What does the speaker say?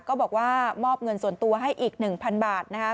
ก็บอกว่ามอบเงินส่วนตัวให้อีก๑๐๐๐บาทนะคะ